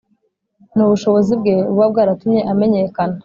ni ubushobozi bwe buba bwaratumye amenyekana